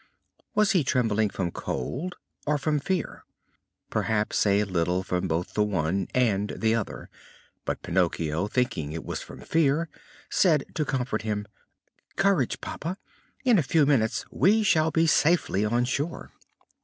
Was he trembling from cold or from fear. Perhaps a little from both the one and the other. But Pinocchio, thinking it was from fear, said, to comfort him: "Courage, papa! In a few minutes we shall be safely on shore."